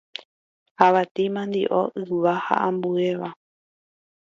avati, mandi'o, yva ha ambuéva